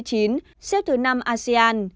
trên bốn mươi chín xếp thứ năm asean